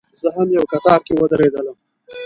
زه هم یو کتار کې ودرېدلم.